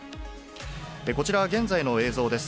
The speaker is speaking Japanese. こちらは現在の映像です。